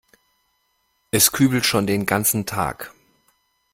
Es kübelt schon den ganzen Tag.